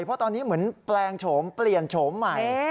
เพราะตอนนี้เหมือนแปลงโฉมเปลี่ยนโฉมใหม่